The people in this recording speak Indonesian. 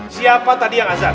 siapa tadi yang azan